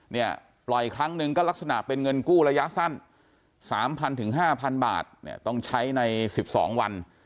เนี่ยปล่อยครั้งหนึ่งก็ลักษณะเป็นเงินกู้ระยะสั้น๓๐๐๕๐๐บาทเนี่ยต้องใช้ใน๑๒วัน